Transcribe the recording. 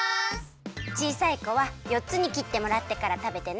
ちいさいこはよっつに切ってもらってからたべてね！